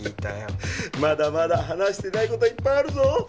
まだまだ話してない事はいっぱいあるぞ！